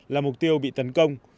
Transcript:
là mục tiêu bị tấn công